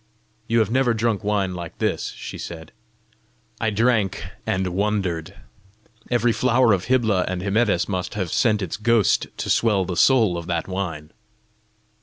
"You have never drunk wine like this!" she said. I drank, and wondered: every flower of Hybla and Hymettus must have sent its ghost to swell the soul of that wine!